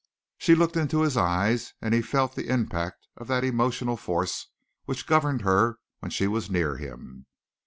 She looked into his eyes and he felt the impact of that emotional force which governed her when she was near him.